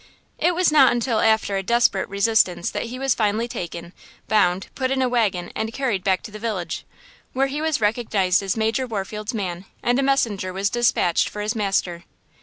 It was not until after a desperate resistance that he was finally taken, bound, put in a wagon and carried back to the village, where he was recognized as Major Warfield's man and a messenger was despatched for his master.